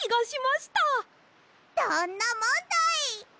どんなもんだい！